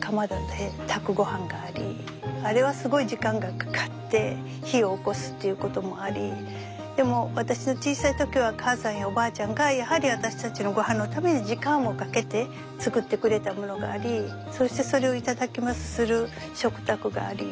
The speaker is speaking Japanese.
かまどで炊くごはんがありあれはすごい時間がかかって火をおこすということもありでも私の小さい時は母さんやおばあちゃんがやはり私たちのごはんのために時間をかけて作ってくれたものがありそしてそれを頂きますする食卓があり。